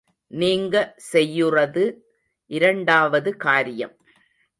நீங்க செய்யுறது இரண்டாவது காரியம்.